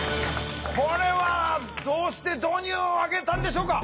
これはどうして導入をあげたんでしょうか？